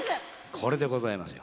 これでございますよ。